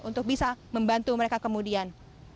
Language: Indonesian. untuk bisa membantu mereka kemudian